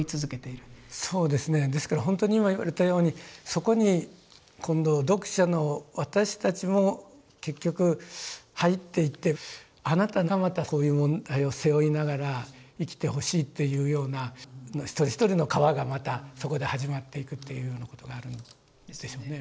そうですねですからほんとに今言われたようにそこに今度読者の私たちも結局入っていってあなたがまたこういう問題を背負いながら生きてほしいっていうような一人一人の河がまたそこで始まっていくというようなことがあるんですよね。